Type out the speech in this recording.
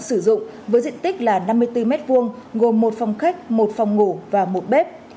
sử dụng với diện tích là năm mươi bốn m hai gồm một phòng khách một phòng ngủ và một bếp